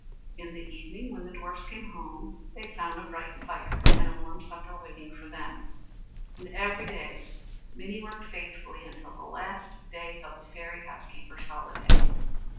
In the evening when the dwarfs came home, they found a bright fire and a warm supper waiting for them; and every day Minnie worked faithfully until the last day of the fairy house keeper's holiday.